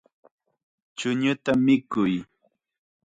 Chuñuta mikuy.